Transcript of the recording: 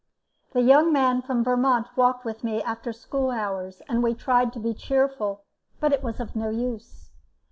The young man from Vermont walked with me after school hours, and we tried to be cheerful, but it was of no use.